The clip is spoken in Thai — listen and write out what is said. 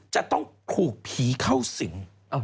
จะต้องถูกผีเข้าสิง